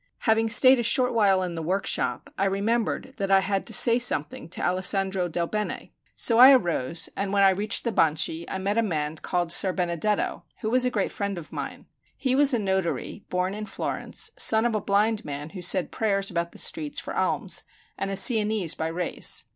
Having stayed a short while in the workshop, I remembered that I had to say something to Alessandro del Bene. So I arose, and when I reached the Banchi, I met a man called Ser Benedetto, who was a great friend of mine. He was a notary, born in Florence, son of a blind man who said prayers about the streets for alms, and a Sienese by race.